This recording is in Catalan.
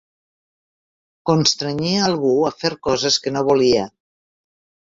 Constrenyia algú a fer coses que no volia.